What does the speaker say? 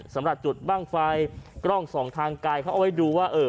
สำหรับจุดบ้างไฟกล้องสองทางกายเขาเอาไว้ดูว่าเออ